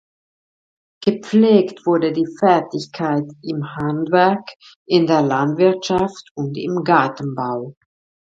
Gepflegt wurde die Fertigkeit im Handwerk, in der Landwirtschaft und im Gartenbau.